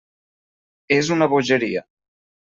És una bogeria.